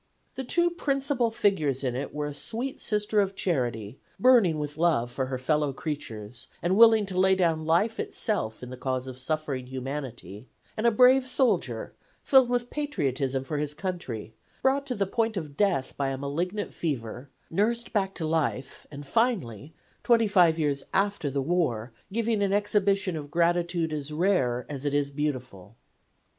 The two principal figures in it were a sweet Sister of Charity, burning with love for her fellow creatures, and willing to lay down life itself in the cause of suffering humanity, and a brave soldier, filled with patriotism for his country, brought to the point of death by a malignant fever; nursed back to life and finally, twenty five years after the war, giving an exhibition of gratitude as rare as it is beautiful.